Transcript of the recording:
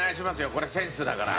これセンスだから。